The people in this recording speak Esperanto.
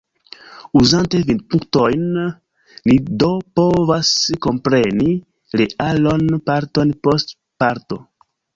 Uzante vidpunktojn, ni do povas kompreni realon parton post parto.